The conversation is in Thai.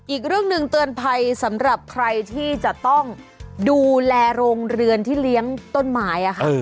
อีกเรื่องหนึ่งเตือนภัยสำหรับใครที่จะต้องดูแลโรงเรือนที่เลี้ยงต้นไม้ค่ะ